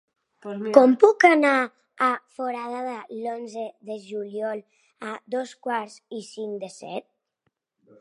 Com puc anar a Foradada l'onze de juliol a dos quarts i cinc de set?